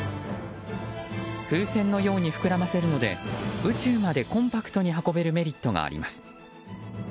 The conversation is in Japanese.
風船のようにふくらませるので宇宙までコンパクトに運べるメリットがあります。